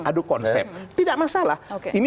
adu konsep tidak masalah ini